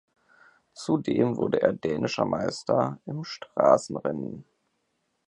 Zudem wurde er dänischer Meister im Straßenrennen.